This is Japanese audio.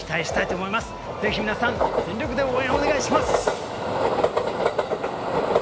是非皆さん全力で応援お願いします！